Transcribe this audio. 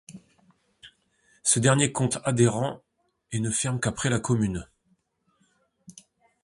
Ce dernier compte adhérents et ne ferme qu'après la Commune.